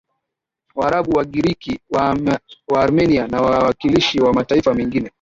Waarabu Wagiriki Waarmenia na wawakilishi wa mataifa mengine